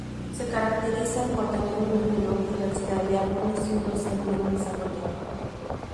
Se caracterizan por tener una menor diversidad de árboles y un dosel menos desarrollado.